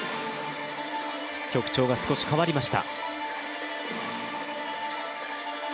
曲調が少し変わりました。